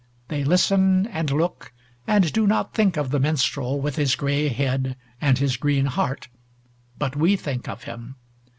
They listen, and look, and do not think of the minstrel with his grey head and his green heart, but we think of him.